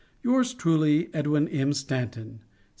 Yours truly, EDWIN M. STANTON.